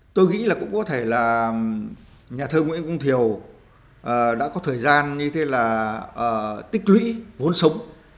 tôi nghĩ là cũng có thể là nhà thơ nguyễn quang thiều đã có thời gian như thế là tích lũy vốn sống